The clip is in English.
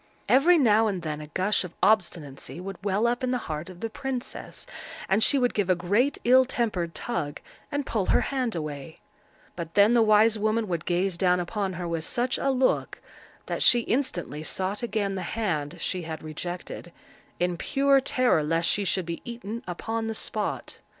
Every now and then a gush of obstinacy would well up in the heart of the princess, and she would give a great ill tempered tug, and pull her hand away; but then the wise woman would gaze down upon her with such a look, that she instantly sought again the hand she had rejected, in pure terror lest she should be eaten upon the spot.